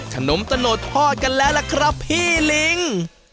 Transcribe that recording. ขนมตะโนดทอดกันแล้วล่ะครับพี่ลิง